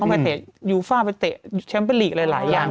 เข้าไปเตะยูฟ้าเตะแชมป์ลีกหลายอย่าง